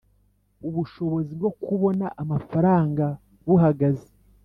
ubushobozi bwo kubona amafaranga buhagaze